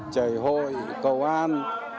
chởi hội cầu an